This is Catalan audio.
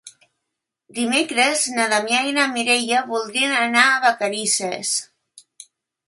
Dimecres na Damià i na Mireia voldrien anar a Vacarisses.